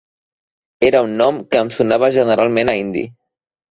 Era un nom que em sonava generalment a indi.